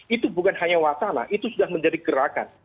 itu bukan hanya wacana itu sudah menjadi gerakan